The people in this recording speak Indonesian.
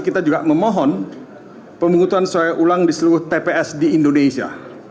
kita juga memohon pemungutan suara ulang di seluruh tps di indonesia